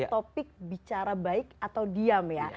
topik bicara baik atau diam ya